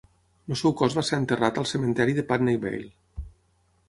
El seu cos va ser enterrat al cementiri de Putney Vale.